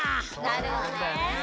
なるほどね。